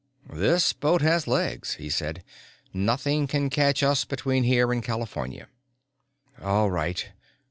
"This boat has legs," he said. "Nothing can catch us between here and California." "All right."